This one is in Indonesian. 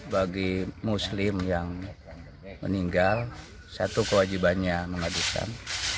bagi muslim yang meninggal satu kewajibannya menghadirkan